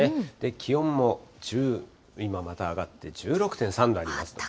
気温も、今また上がって、１６．３度あります。